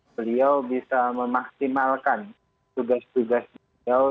beliau bisa memaksimalkan tugas tugas beliau